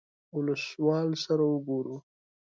اولسوال سره وګورو.